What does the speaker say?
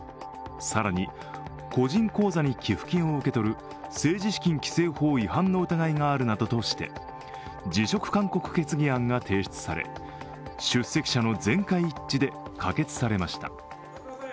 更に、個人口座に寄付金を受け取る政治資金規正法違反の疑いがあるなどとして、辞職勧告決議案が提出され出席者の全会一致で可決されました。